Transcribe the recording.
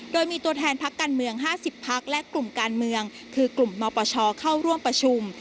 โดยมีตัวแทนพักการเมือง๕๐พักและกลุ่มการเมืองคือกลุ่มนปชเข้าร่วมประชุม